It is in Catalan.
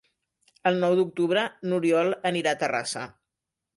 El nou d'octubre n'Oriol anirà a Terrassa.